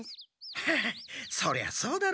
ハハッそりゃそうだろう。